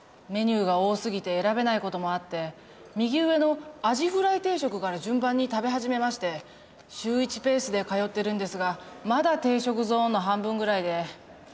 メニューが多すぎて選べない事もあって右上のアジフライ定食から順番に食べ始めまして週１ペースで通ってるんですがまだ定食ゾーンの半分ぐらいで。